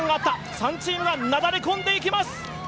３チームがなだれ込んでいきます。